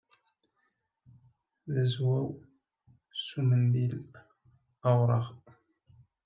D azwaw s umendil awṛaɣ.